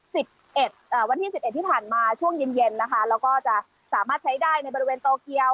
สิบเอ็ดเอ่อวันที่สิบเอ็ดที่ผ่านมาช่วงเย็นเย็นนะคะแล้วก็จะสามารถใช้ได้ในบริเวณโตเกียว